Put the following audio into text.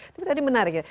tapi tadi menarik ya